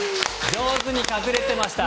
上手に隠れていました。